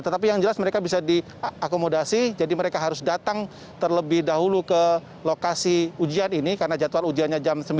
tetapi yang jelas mereka bisa diakomodasi jadi mereka harus datang terlebih dahulu ke lokasi ujian ini karena jadwal ujiannya jam sembilan